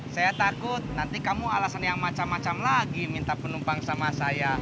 saya takut nanti kamu alasan yang macam macam lagi minta penumpang sama saya